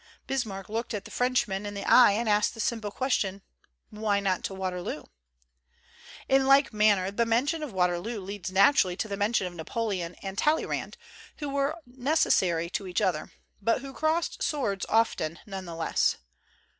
Bismarck looked the Frenchman in the eye and asked the simple question, "Why not to Waterloo?" In like manner the mention of Waterloo leads naturally to the mention of Napoleon and Tal leyrand, who were necessary to each other, but who crossed swords often, none the less.